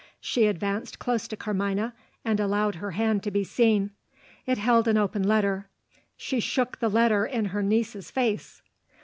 She advanced close to Carmina, and allowed her hand to be seen. It held an open letter. She shook the letter in her niece's face.